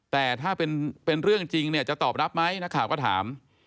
แต่ถ้าเป็นเรื่องจริงเนี่ยจะตอบรับไหมนักข่าวก็ถาม